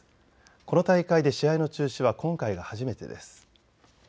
この大会で試合の中止は今回が初めてです。